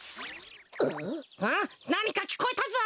なにかきこえたぞ。